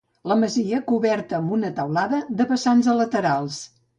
La masia coberta amb una teulada de vessants a laterals.